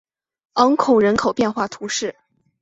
昂孔人口变化图示